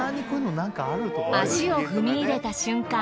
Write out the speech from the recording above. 足を踏み入れた瞬間